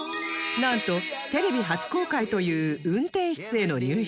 なんとテレビ初公開という運転室への入室